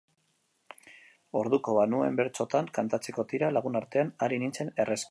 Orduko banuen bertsotan kantatzeko tira, lagunartean ari nintzen errexki.